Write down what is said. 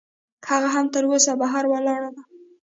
هغه هم تراوسه بهر ولاړه ده.